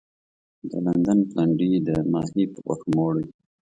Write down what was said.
د لندن پلنډي د ماهي په غوښو موړ وي.